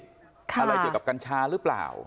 อะไรเกี่ยวกับกัญชาหรือเปล่า